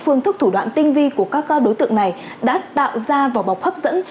phương thức thủ đoạn tinh vi của các đối tượng này đã tạo ra vỏ bọc hấp dẫn